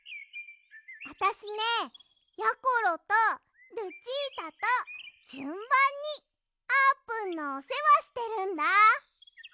あたしねやころとルチータとじゅんばんにあーぷんのおせわしてるんだ。